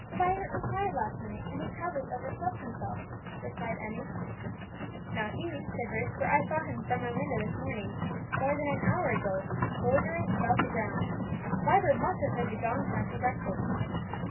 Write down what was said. "Vibert was tired last night, and has probably overslept himself," replied Emmie. "Not he," said Bruce, "for I saw him from my window this morning, more than an hour ago, loitering about the grounds. Vibert must have heard the gong sound for breakfast.